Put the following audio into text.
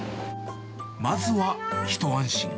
まずは一安心。